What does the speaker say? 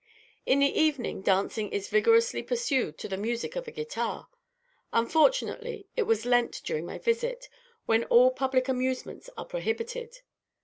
In the evening dancing is vigorously pursued to the music of a guitar; unfortunately, it was Lent during my visit, when all public amusements are prohibited.